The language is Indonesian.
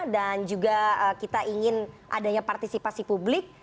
dan juga kita ingin adanya partisipasi publik